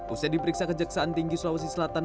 usai diperiksa kejaksaan tinggi sulawesi selatan